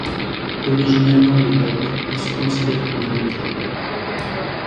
D’origine allemande et noble, il se considère comme un Letton.